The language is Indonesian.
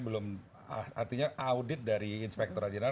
artinya audit dari inspektur rajenar